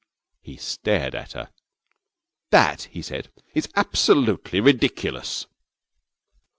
He stared at her. 'That,' he said, 'is absolutely ridiculous!'